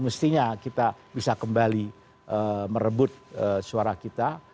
mestinya kita bisa kembali merebut suara kita